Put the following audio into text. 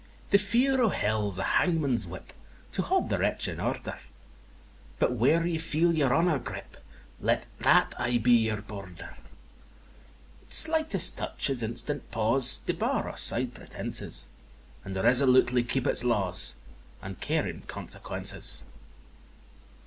VIII. The fear o' Hell's a hangman's whip, To haud the wretch in order; But where ye feel your honour grip, Let that ay be your border: Its slightest touches, instant pause Debar a' side pretences; And resolutely keep its laws, Uncaring consequences.